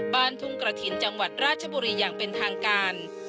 บ้านทุ่งกระถิ่นจังหวัดราชบุรีอย่างเป็นทางการ